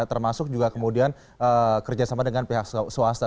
termasuk juga kemudian kerjasama dengan pihak swasta